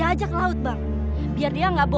saya mau cari lu lho